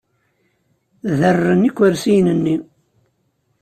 Derreren ikersiyen-nni.